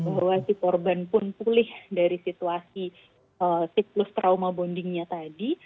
bahwa si korban pun pulih dari situasi situs trauma bondingnya tadi